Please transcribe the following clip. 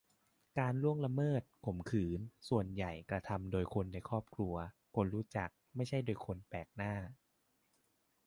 การล่วงละเมิด-ข่มขืนส่วนใหญ่กระทำโดยคนในครอบครัว-คนรู้จัก ไม่ใช่โดยคนแปลกหน้า